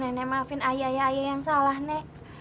nene maafin ayah ayah yang salah ne